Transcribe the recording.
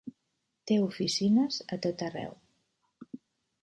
Té oficines a tot arreu.